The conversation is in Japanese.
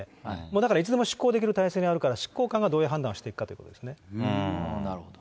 だからいつでも執行できる体制にあるから、どういう判断をしていなるほど。